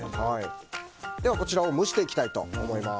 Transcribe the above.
こちらを蒸していきたいと思います。